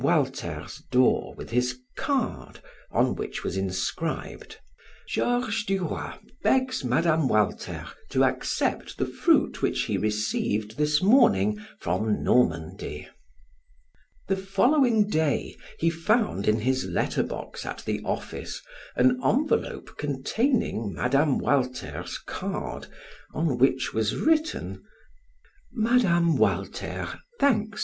Walter's door with his card on which was inscribed: "Georges Duroy begs Mme. Walter to accept the fruit which he received this morning from Normandy." The following day he found in his letter box at the office an envelope containing Mme, Walter's card on which was written: "Mme. Walter thanks M.